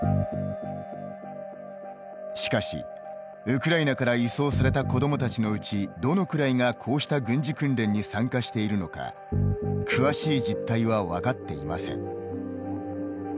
しかし、ウクライナから移送された子どもたちのうちどのくらいがこうした軍事訓練に参加しているのか詳しい実態は分かっていません。